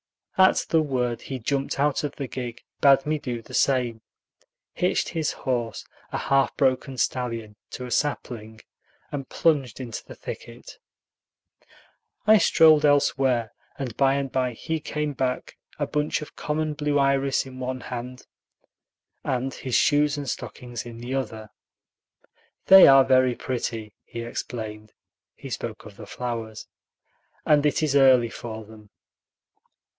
At the word he jumped out of the gig, bade me do the same, hitched his horse, a half broken stallion, to a sapling, and plunged into the thicket. I strolled elsewhere; and by and by he came back, a bunch of common blue iris in one hand, and his shoes and stockings in the other. "They are very pretty," he explained (he spoke of the flowers), "and it is early for them."